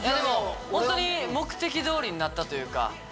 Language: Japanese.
本当に目的通りになったというか。